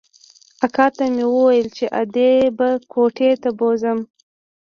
اکا ته مې وويل چې ادې به کوټې ته بوځم.